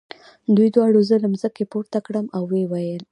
دوی دواړو زه له مځکې پورته کړم او ویې ویل.